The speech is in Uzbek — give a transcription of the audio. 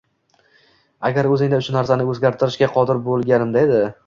Agar o‘zingda uch narsani o‘zgartirishga qodir bo‘lganimda edi.